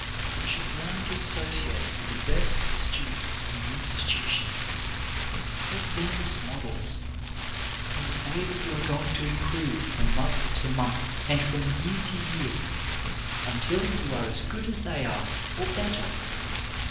You should learn to associate with the best students in the institution. Take them as models, and say that you are going to improve 148 CHARACTER BUILDING from month to month, and from year to year, until you are as good as they are, or better.